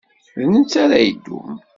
D netta ara yeddun.